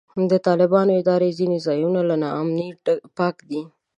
د طالبانو اداره ځینې ځایونه له نا امنۍ پاک کړي.